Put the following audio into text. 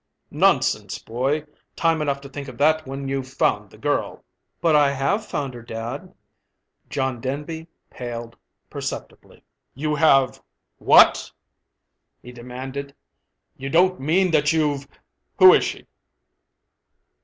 "Nonsense, boy! Time enough to think of that when you've found the girl." "But I have found her, dad." John Denby paled perceptibly. "You have what?" he demanded. "You don't mean that you've Who is she?"